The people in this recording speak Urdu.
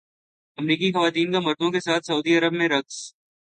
امریکی خواتین کا مردوں کے ساتھ سعودی عرب میں رقص